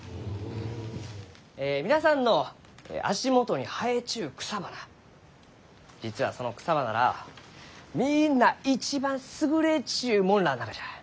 え皆さんの足元に生えちゅう草花実はその草花らあはみんな一番優れちゅう者らあながじゃ。